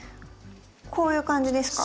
こういう感じですか？